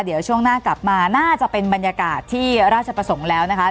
เดี๋ยวช่วงหน้ากลับมาน่าจะเป็นบรรยากาศที่ราชประสงค์แล้วนะคะ